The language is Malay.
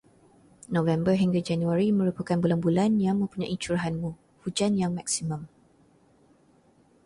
November hingga Januari merupakan bulan-bulan yang mempunyai curahan hujan yang maksimum.